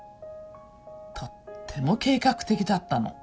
とっても計画的だったの